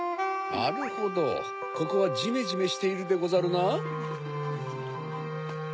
なるほどここはジメジメしているでござるな？